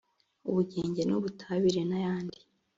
ubugenge n’ubutabire n’ayandi